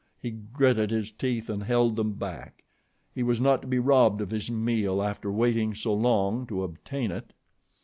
He gritted his teeth and held them back. He was not to be robbed of his meal after waiting so long to obtain it.